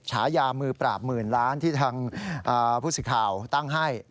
ฉายามือปราบหมื่นล้านที่ทางผู้สิทธิ์ข่าวตั้งให้